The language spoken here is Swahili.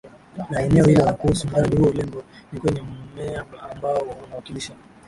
la eneo hilo kuhusu mradi huo Lengo ni kwenye mmea ambao unawakilisha